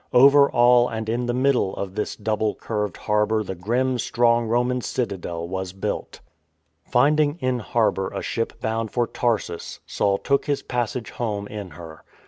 Over all and in the middle of the double curved harbour the grim, strong Roman citadel was built. Finding in harbour a ship bound for Tarsus, Saul took his passage home in her.